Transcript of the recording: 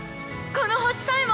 この星さえも！」。